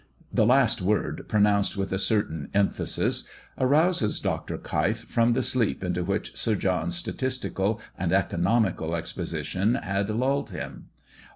The last word, pronounced with a certain emphasis, rouses Dr. Keif from the sleep into which Sir John's statistical and economical expositions had lulled him.